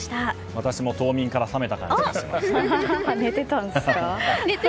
私も冬眠から覚めた感じがしました。